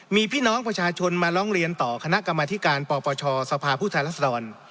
มีพี่น้องประชาชนมาร้องเรียนต่อคณะกรรมธิการปปชสภาพผู้แทนรัศดร